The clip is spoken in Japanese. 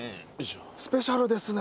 スペシャルですね。